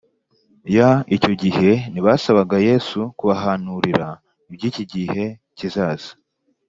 ya !’ Icyo gihe ntibasabaga Yesu kubahanurira iby’igihe kizaza